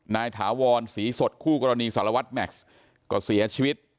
ถาวรศรีสดคู่กรณีสารวัตรแม็กซ์ก็เสียชีวิต